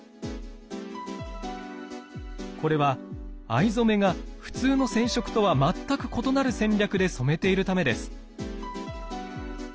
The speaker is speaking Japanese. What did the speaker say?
これは藍染めがふつうの染色とは全く異なる戦略で染めているためです。